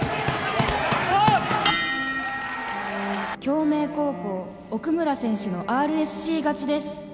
「京明高校奥村選手のＲＳＣ勝ちです」